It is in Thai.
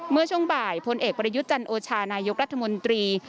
เมื่อช่วงบ่ายพลเอกประยุทธ์จันโอชานายกรัฐมนตรี